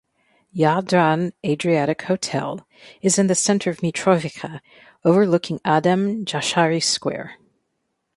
Jadran Adriatic Hotel is in the center of Mitrovica overlooking Adem Jashari Square.